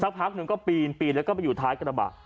พักหนึ่งก็ปีนปีนแล้วก็ไปอยู่ท้ายกระบะ